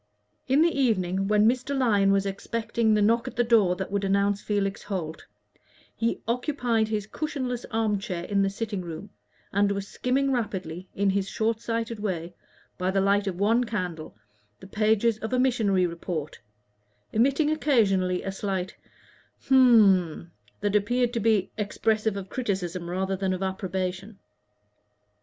In the evening, when Mr. Lyon was expecting the knock at the door that would announce Felix Holt, he occupied his cushionless arm chair in the sitting room, and was skimming rapidly, in his short sighted way, by the light of one candle, the pages of a missionary report, emitting occasionally a slight "Hm m" that appeared to be expressive of criticism rather than of approbation.